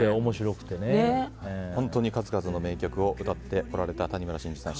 本当に数々の名曲を歌ってこられた谷村新司さん。